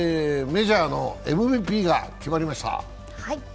メジャーのＭＶＰが決まりました。